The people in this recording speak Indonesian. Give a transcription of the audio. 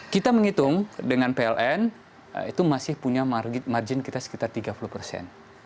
kita menghitung dengan pln itu masih punya margin kita sekitar tiga puluh persen